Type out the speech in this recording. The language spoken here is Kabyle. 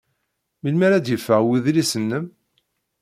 Melmi ara d-yeffeɣ wedlis-nnem?